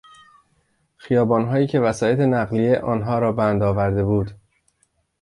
خیابانهایی که وسایط نقلیه آنها را بند آورده بود.